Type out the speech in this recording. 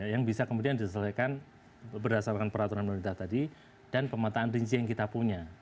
yang bisa kemudian diselesaikan berdasarkan peraturan pemerintah tadi dan pemetaan rinci yang kita punya